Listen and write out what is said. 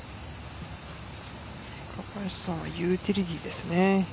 若林さんはユーティリティーですね。